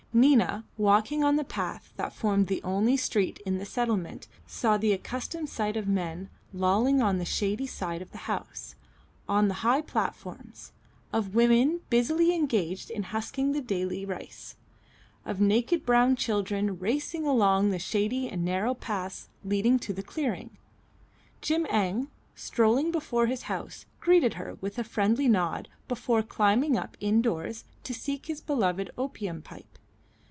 Nina walking on the path that formed the only street in the settlement saw the accustomed sight of men lolling on the shady side of the houses, on the high platforms; of women busily engaged in husking the daily rice; of naked brown children racing along the shady and narrow paths leading to the clearings. Jim Eng, strolling before his house, greeted her with a friendly nod before climbing up indoors to seek his beloved opium pipe.